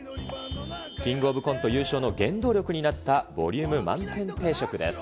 キングオブコント優勝の原動力になったボリューム満点定食です。